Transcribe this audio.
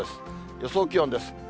予想気温です。